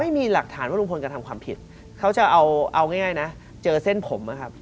ไม่มีหลักฐานว่าลุงพลกระทำความผิดเขาจะเอาง่ายนะเจอเส้นผมนะครับ